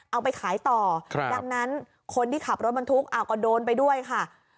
เอาไปขายต่อดังนั้นคนที่ขับรถบรรทุกก็โดนไปด้วยค่ะ